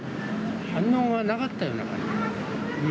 反応がなかったような感じだね。